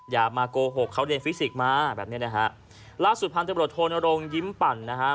อย่ามาโกหกเขาเรียนฟิสิกส์มาแบบเนี้ยนะฮะล่าสุดพันธบรวจโทนรงยิ้มปั่นนะฮะ